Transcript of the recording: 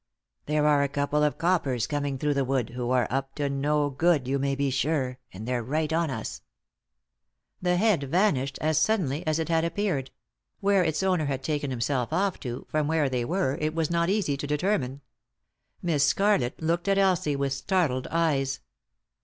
There are a couple of coppers coming through the wood, who are up to no good, you may be sure, and they're right on us." 106 3i 9 iii^d by Google THE INTERRUPTED KISS The head vanished as suddenly as it had appeared ; where its owner had taken himself off to, from where they were, it was not easy to determine. Miss Scarlett looked at Elsie with startled eyes.